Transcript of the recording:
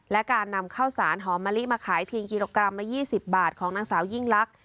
และการนำข้าวสารหอมมะลิมาขายเพียงกิโลกรัมละ๒๐บาทของนางสาวยิ่งลักษ